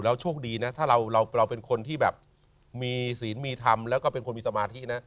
โชคดีนะถ้าเราเป็นคนที่แบบมีศีลมีธรรมแล้วก็เป็นคนมีสมาธินะ